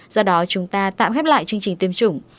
do đó chúng ta tạm khép lại chương trình tiêm chủng